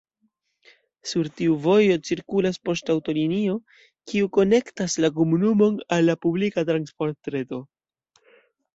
Sur tiu vojo cirkulas poŝtaŭtolinio, kiu konektas la komunumon al la publika transportreto.